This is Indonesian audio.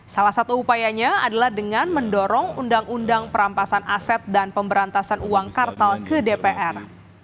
salah satu upayanya adalah dengan mendorong undang undang perampasan aset dan pemberantasan uang kartal ke dpr